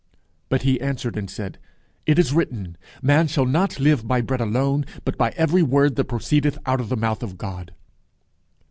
But he answered and said, It is written, Man shall not live by bread alone, but by every word that proceedeth out of the mouth of God.